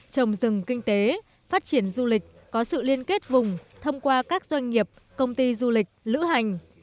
trồng rừng kinh tế phát triển du lịch có sự liên kết vùng thông qua các doanh nghiệp công ty du lịch lữ hành